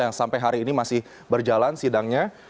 yang sampai hari ini masih berjalan sidangnya